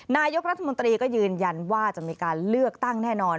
นายกรัฐมนตรีก็ยืนยันว่าจะมีการเลือกตั้งแน่นอน